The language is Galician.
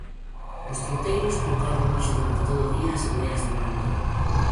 Os Troteiros percorren hoxe durante todo o día as aldeas de Bande.